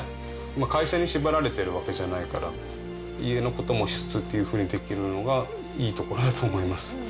会社に縛られてるわけじゃないから、家のことも好きにできるところがいいところだと思います。